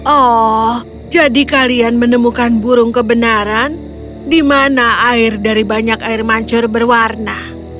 oh jadi kalian menemukan burung kebenaran di mana air dari banyak air mancur berwarna